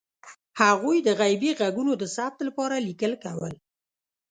هغوی د غیبي غږونو د ثبت لپاره لیکل کول.